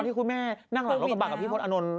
ต่อคน